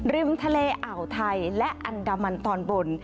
ริมทะเลอ่าวไทยและอันดามันตอนบน